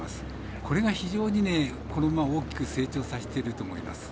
これが非常にこの馬を成長させていると思います。